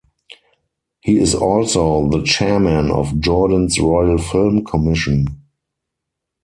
He is also the chairman of Jordan's Royal Film Commission.